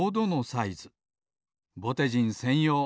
ぼてじんせんよう。